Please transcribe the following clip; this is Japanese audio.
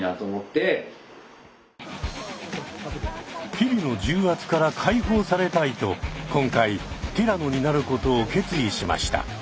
日々の重圧から解放されたいと今回ティラノになることを決意しました。